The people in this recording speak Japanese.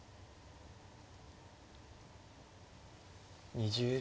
２０秒。